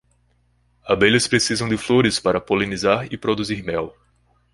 Abelhas precisam de flores para polinizar e produzir mel